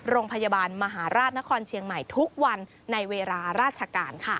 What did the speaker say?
โรงพยาบาลมหาราชนครเชียงใหม่ทุกวันในเวลาราชการค่ะ